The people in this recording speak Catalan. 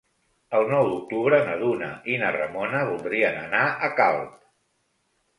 El nou d'octubre na Duna i na Ramona voldrien anar a Calp.